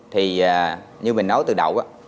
thì như mình nói từ đầu á